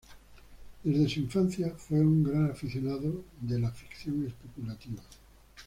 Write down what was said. Desde su infancia fue un gran aficionado de la ficción especulativa.